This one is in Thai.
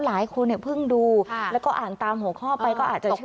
หลายคนเนี่ยเพิ่งดูแล้วก็อ่านตามหัวข้อไปก็อาจจะเชื่อ